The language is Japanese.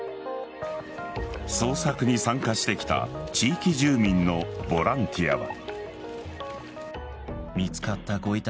捜索に参加してきた地域住民のボランティアは。